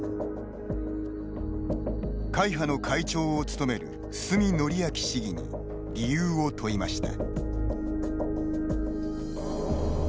会派の会長を務める須見矩明市議に理由を問いました。